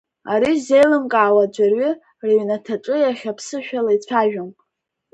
Ари ззеилымкаауа аӡәырҩы рыҩнаҭаҿы иахьа ԥсышәала ицәажәом.